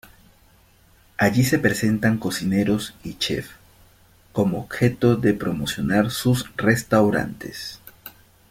Allí se presentan cocineros y chefs, con objeto de promocionar sus restaurantes.